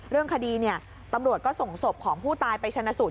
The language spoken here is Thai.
เรื่องคดีตำรวจก็ส่งศพของผู้ตายไปชนะสูตร